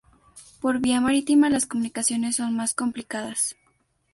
Por vía marítima las comunicaciones son más complicadas.